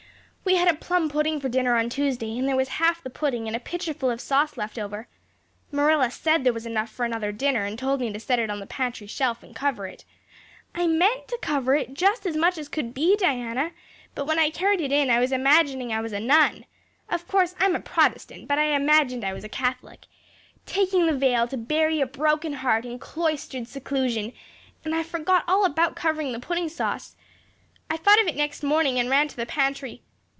We had a plum pudding for dinner on Tuesday and there was half the pudding and a pitcherful of sauce left over. Marilla said there was enough for another dinner and told me to set it on the pantry shelf and cover it. I meant to cover it just as much as could be, Diana, but when I carried it in I was imagining I was a nun of course I'm a Protestant but I imagined I was a Catholic taking the veil to bury a broken heart in cloistered seclusion; and I forgot all about covering the pudding sauce. I thought of it next morning and ran to the pantry.